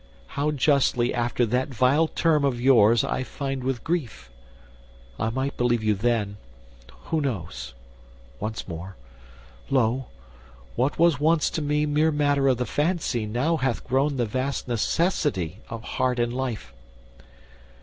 How justly, after that vile term of yours, I find with grief! I might believe you then, Who knows? once more. Lo! what was once to me Mere matter of the fancy, now hath grown The vast necessity of heart and life.